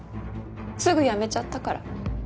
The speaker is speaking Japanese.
すぐ辞めちゃったから。